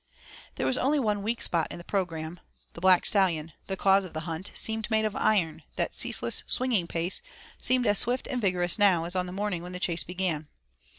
There was only one weak spot in the programme, the Black Stallion, the cause of the hunt, seemed made of iron, that ceaseless swinging pace seemed as swift and vigorous now as on the morning when the chase began.